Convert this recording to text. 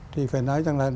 thì phải nói rằng là